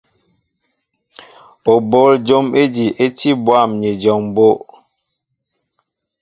Ó bol jǒm ji é tí bwâm ni ejɔŋ mbó'.